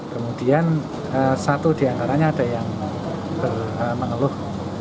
kemudian satu diantaranya ada yang mengeluh